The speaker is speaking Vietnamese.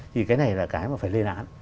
đây là cái mà phải lên án